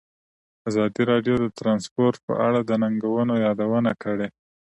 ازادي راډیو د ترانسپورټ په اړه د ننګونو یادونه کړې.